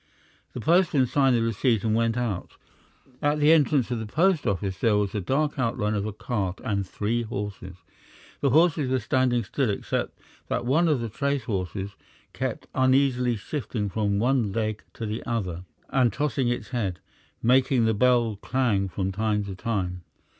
The postman signed the receipt and went out. At the entrance of the post office there was the dark outline of a cart and three horses. The horses were standing still except that one of the tracehorses kept uneasily shifting from one leg to the other and tossing its head, making the bell clang from time to time.